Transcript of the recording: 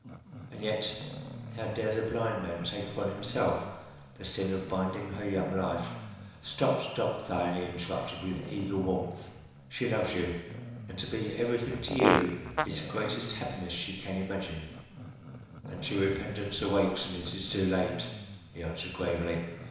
And yet, how dare the blind man take upon himself the sin of binding her young life " "Stop! stop!" Thyone interrupted with eager warmth. "She loves you, and to be everything to you is the greatest happiness she can imagine." "Until repentance awakes, and it is too late," he answered gravely.